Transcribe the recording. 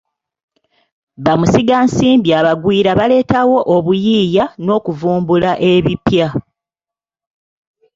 Bamusigansimbi abagwira baleetawo obuyiiya n'okuvumbula ebipya.